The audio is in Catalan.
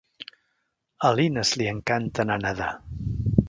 A l'Ines li encanta anar a nedar.